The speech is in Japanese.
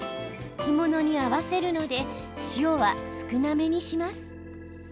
干物に合わせるので塩は少なめにします。